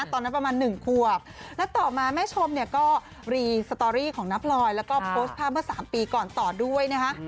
ตอนนั้นประมาณ๑ขวบแล้วต่อมาแม่ชมเนี่ยก็รีสตอรี่ของน้าพลอยแล้วก็โพสต์ภาพเมื่อ๓ปีก่อนต่อด้วยนะคะ